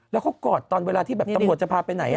แล้วเขากอดตอนเวลาที่แบบตำรวจจะพาไปไหน